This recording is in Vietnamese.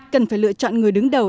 cần phải lựa chọn người đứng đầu